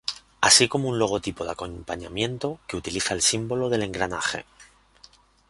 Así como un logotipo de acompañamiento que utiliza el símbolo del engranaje.